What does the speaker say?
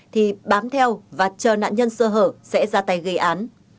thì bám theo và chờ nạn nhân sơ hở sẽ ra tay gây án